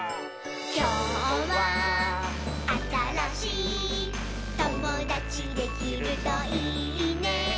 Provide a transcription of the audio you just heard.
「きょうはあたらしいともだちできるといいね」